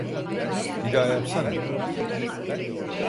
Bir daha yapsana.